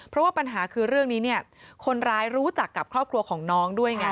เพราะว่าปัญหาคือเรื่องนี้เนี่ยคนร้ายรู้จักกับครอบครัวของน้องด้วยไง